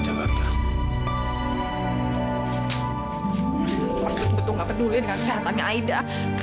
mas betul betul gak peduli dengan kesehatan aida